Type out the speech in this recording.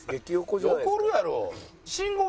怒るやろ！